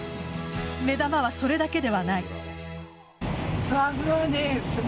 目玉はそれだけではない。